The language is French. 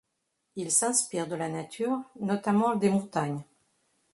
Ils s'inspirent de la nature, notamment des montagnes.